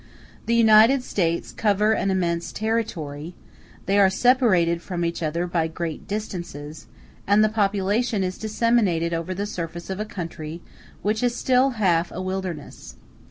*a The United States cover an immense territory; they are separated from each other by great distances; and the population is disseminated over the surface of a country which is still half a wilderness.